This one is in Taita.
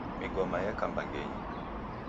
Migoma yeka mbangenyi.